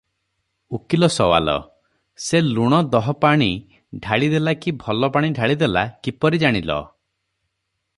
ଉକୀଲ ସୱାଲ - ସେ ଲୁଣ ଦହପାଣି ଢାଳି ଦେଲା କି ଭଲ ପାଣି ଢାଳି ଦେଲା, କିପରି ଜାଣିଲ?